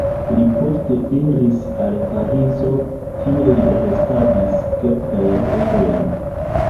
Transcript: Li poste iris al Parizo, tie li restadis kelkajn jarojn.